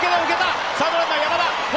サードランナー・山田